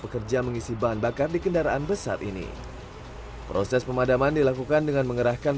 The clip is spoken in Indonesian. pekerja mengisi bahan bakar di kendaraan besar ini proses pemadaman dilakukan dengan mengerahkan